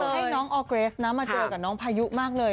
คือให้น้องออร์เกรสนะมาเจอกับน้องพายุมากเลย